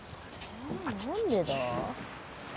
え何でだ？